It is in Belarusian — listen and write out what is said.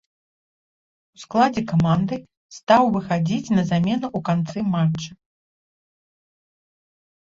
У складзе каманды стаў выхадзіць на замену ў канцы матча.